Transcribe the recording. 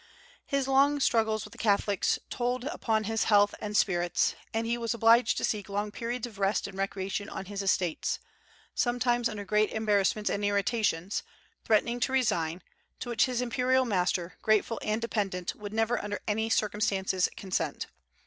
His long struggles with the Catholics told upon his health and spirits, and he was obliged to seek long periods of rest and recreation on his estates, sometimes, under great embarrassments and irritations, threatening to resign, to which his imperial master, grateful and dependent, would never under any circumstances consent.